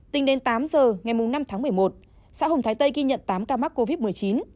tính đến tám giờ ngày năm tháng một mươi một xã hồng thái tây ghi nhận tám ca mắc covid một mươi chín